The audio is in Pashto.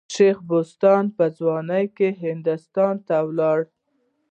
شېخ بستان په ځوانۍ کښي هندوستان ته ولاړ.